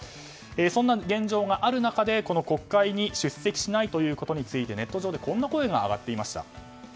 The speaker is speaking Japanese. そんな現状がある中で国会に出席しないことについてネット上でこんな声が上がっていました。